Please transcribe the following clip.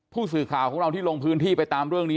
ผู้สื่อข่าวของเราที่ลงพื้นที่ไปตามเรื่องนี้